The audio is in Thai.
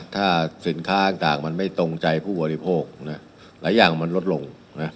ถ้าสินค้าต่างมันไม่ตรงใจผู้บริโภคหลายอย่างมันลดลง